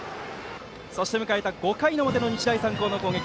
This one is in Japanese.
そして迎えた５回の表の日大三高の攻撃。